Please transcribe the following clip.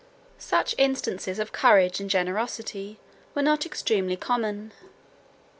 Such instances of courage and generosity were not extremely common.